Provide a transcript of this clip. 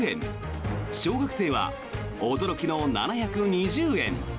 小学生は、驚きの７２０円。